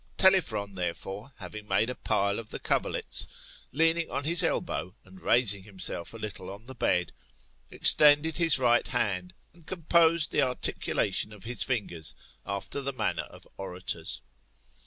Telephron therefore, having made a pile of the coverlets, leaning on his elbow, and raising himself a little on the bed, extended his right hand and composed the articulation of his fingers after the manner of orators.